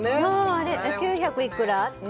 あれ９００いくら？